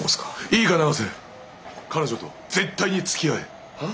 いいか永瀬彼女と絶対につきあえ！は？